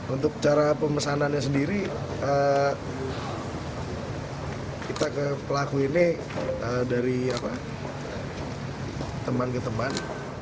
untuk cara pemesanannya sendiri kita ke pelaku ini dari teman ke teman